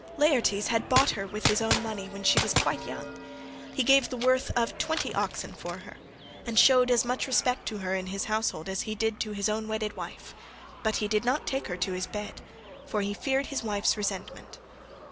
Laertes had bought her with his own money when she was quite young; he gave the worth of twenty oxen for her, and shewed as much respect to her in his household as he did to his own wedded wife, but he did not take her to his bed for he feared his wife's resentment.